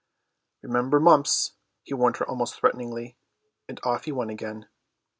"Remember mumps," he warned her almost threateningly, and off he went again.